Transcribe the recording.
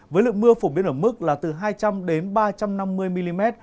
với lượng mưa phổ biến ở mức là từ hai trăm linh đến ba trăm năm mươi mm